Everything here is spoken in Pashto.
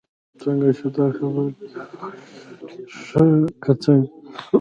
څنګه شو، دا خبر دې خوښ شو؟ ډېر ښه، که څنګه؟